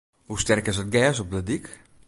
Hoe sterk is it gers op de dyk?